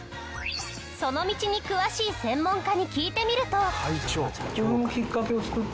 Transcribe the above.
その道に詳しい専門家に聞いてみると。